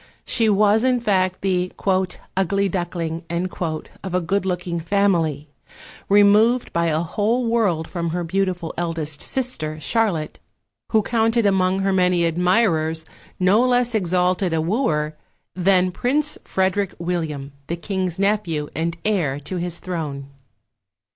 She was, in fact, the "ugly duckling" of a good looking family, removed by a whole world from her beautiful eldest sister Charlotte, who counted among her many admirers no less exalted a wooer than Prince Frederick William, the King's nephew and heir to his throne.